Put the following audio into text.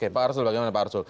pak arsul bagaimana pak arsul